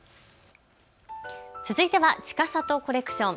続いてはちかさとコレクション。